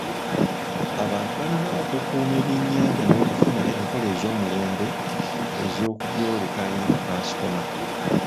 Abantu balina okukuuma ebyennyanja n'okufuna enkola ez'omulembe ez'okubyoleka eri bakasitoma.